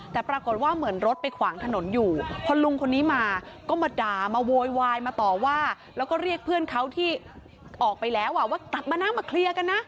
แต่ปรากฏว่าเหมือนรถไปขวางถนนอยู่พอลุงคนนี้มาก็มาด่ามาโวยวายมาต่อว่าแล้วก็เรียกเพื่อนเขาที่ออกไปแล้วว่ากลับมานะมาเคลียร์กันนะ